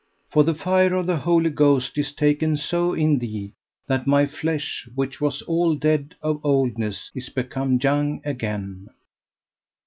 For the fire of the Holy Ghost is taken so in thee that my flesh which was all dead of oldness is become young again.